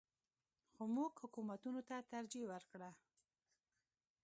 خو موږ حکومتونو ته ترجیح ورکړه.